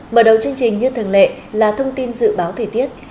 mở đầu chương trình như thường lệ là thông tin dự báo thời tiết